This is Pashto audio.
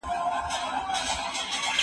سوله ایزي لاري تل غوره پایلي لري.